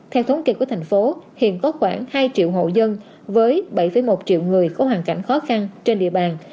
theo thống kê của thành phố hiện có khoảng hai triệu hộ dân với bảy một triệu người có hoàn cảnh khó khăn trên địa bàn